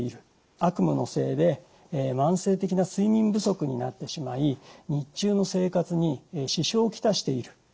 悪夢のせいで慢性的な睡眠不足になってしまい日中の生活に支障を来している。